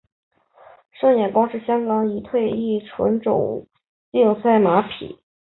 胜眼光是香港已退役纯种竞赛马匹。